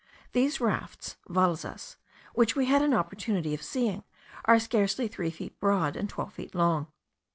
These rafts (valzas), which we had an opportunity of seeing, are scarcely three feet broad, and twelve feet long.